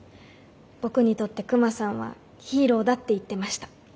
「僕にとってクマさんはヒーローだ」って言ってました。